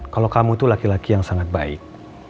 kalau kamu itu laki laki yang sangat baik